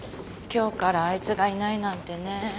今日からあいつがいないなんてね。